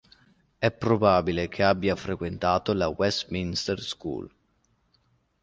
È probabile che abbia frequentato la Westminster School.